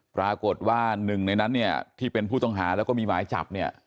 ปรากฏว่าหนึ่งในนั้นเนี่ยที่เป็นผู้ต้องหาแล้วก็มีหมายจับเนี่ย